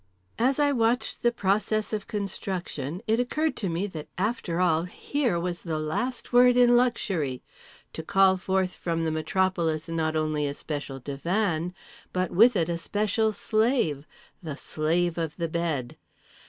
As I watched the process of construction it occurred to me that after all here was the last word in luxury—to call forth from the metropolis not only a special divan but with it a special slave, the Slave of the Bed….